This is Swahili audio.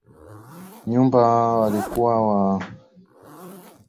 nyumbu walikuwa na ushawishi mkubwa kwenye hifadhi ya serengeti